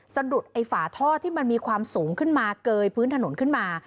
สะดุดไอ้ฝาท่อที่มันมีความสูงขึ้นมาเกยพื้นถนนขึ้นมา